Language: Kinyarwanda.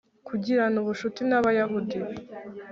kugirana ubucuti n'abayahudi